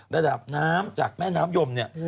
ระดับน้ำจากแม่น้ำยมเนี่ย